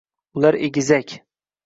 Ular egizak.